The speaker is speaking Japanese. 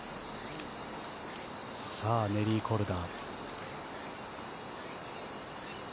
さあ、ネリー・コルダ。